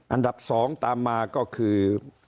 อันดับ๒ตามมาก็คือ